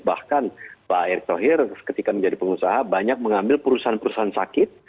bahkan pak erick thohir ketika menjadi pengusaha banyak mengambil perusahaan perusahaan sakit